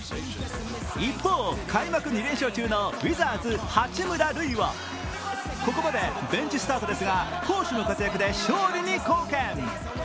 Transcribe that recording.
一方、開幕２連勝中のウィザーズ・八村塁はここまでベンチスタートですが攻守の活躍で勝利に貢献。